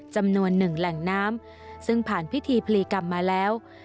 จำนวนหนึ่งแหล่งน้ำซึ่งผ่านพิธีพลีกรรมมาแล้ว